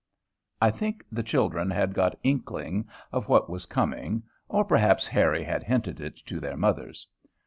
I think the children had got inkling of what was coming, or perhaps Harry had hinted it to their mothers.